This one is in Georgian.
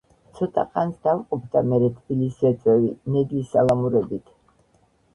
ცოტა ხანს დავყოფ და მერე თბილისს ვეწვევი ნედლი სალამურებით.